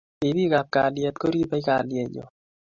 ripikap kalyet koribei kalyenyo